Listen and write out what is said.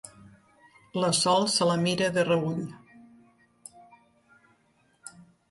La Sol se la mira de reüll.